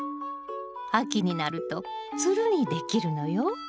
秋になるとつるにできるのよ。